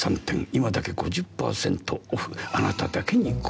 「今だけ５０％オフ」「あなただけにご案内」。